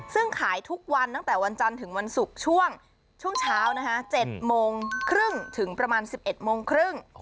ซึ่งขายทุกวันตั้งแต่วันจันทร์ถึงวันศุกร์ช่วงเช้า๗โมงครึ่งถึงประมาณ๑๑โมงครึ่ง